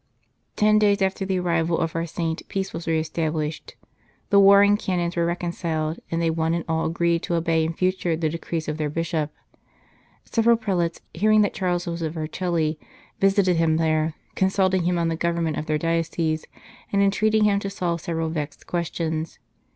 Ten days after the arrival of our saint peace was re established, the warring Canons were reconciled, and they one and all agreed to obey in future the decrees of their Bishop. Several prelates, hearing that Charles was at Vercelli, visited him there, consulting him on the government of their dioceses, and entreated him to solve several vexed questions.